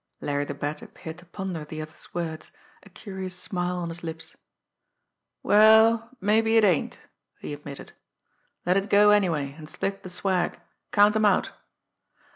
Larry the Bat appeared to ponder the other's words, a curious smile on his lips. "Well, mabbe it ain't," he admitted. "Let it go anyway, an' split the swag. Count 'em out!"